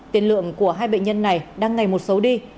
tiền lượng của hai bệnh nhân này đang ngày một xấu đi